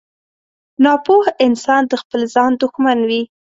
• ناپوه انسان د خپل ځان دښمن وي.